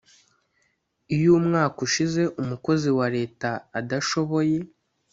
Iyo umwaka ushize umukozi wa Leta adashoboye